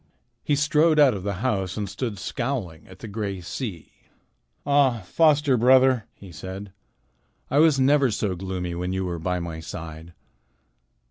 He strode out of the house and stood scowling at the gray sea. "Ah, foster brother!" he said. "It was never so gloomy when you were by my side.